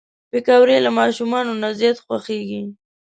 پکورې له ماشومانو نه زیات خوښېږي